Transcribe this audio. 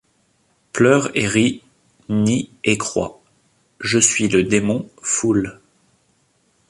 Pleure et rit, nie et croit ; je suis le démon Foule.